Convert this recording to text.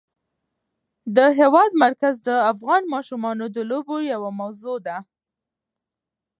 د هېواد مرکز د افغان ماشومانو د لوبو یوه موضوع ده.